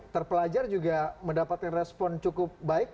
terpelajar juga mendapatkan respon cukup baik